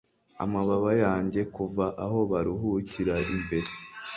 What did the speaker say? amababa yanjye kuva aho baruhukira imbere